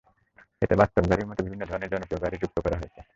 এতে বাস্তব গাড়ির মতো বিভিন্ন ধরনের জনপ্রিয় গাড়ি যুক্ত করা হয়েছে।